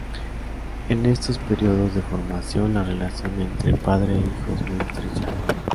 En estos periodos de formación, la relación entre padre e hijo es muy estrecha.